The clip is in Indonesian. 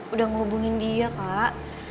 udah ngehubungin dia kak